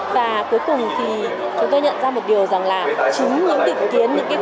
và cuối cùng thì chúng tôi nhận ra một điều rằng là chính những định kiến những khuôn mẫu